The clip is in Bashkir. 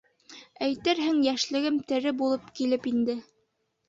Әйтерһең, йәшлегем тере булып килеп инде...